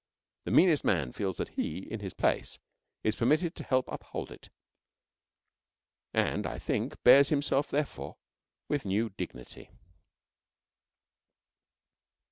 The meanest man feels that he, in his place, is permitted to help uphold it, and, I think, bears himself, therefore, with new dignity.